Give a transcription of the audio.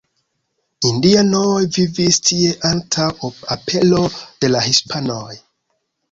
Indianoj vivis tie antaŭ apero de la hispanoj.